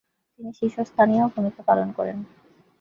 তিনি শীর্ষস্থানীয় ভূমিকা পালন করেন।